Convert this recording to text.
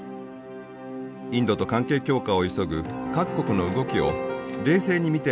インドと関係強化を急ぐ各国の動きを冷静に見ている専門家がいます。